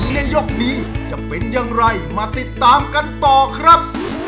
ในยกนี้จะเป็นอย่างไรมาติดตามกันต่อครับ